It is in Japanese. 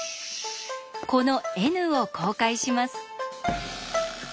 このＮを公開します。